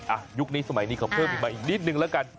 ยุคนี้สมัยนี้เขาเพิ่มอีกมาอีกนิดนึงแล้วกัน